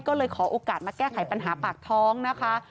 ก็เลยขอโอกาสมาแก้ไขปัญหาปากท้องนะคะ